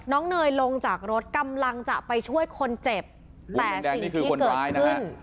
เนยลงจากรถกำลังจะไปช่วยคนเจ็บแต่สิ่งที่เกิดขึ้น